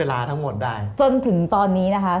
ลูกค้า